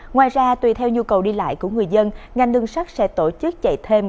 ngoài ra tùy theo nhu cầu đi lại của người dân ngành đường sắt sẽ tổ chức chạy thêm